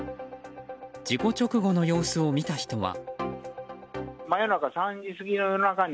事故直後の様子を見た人は。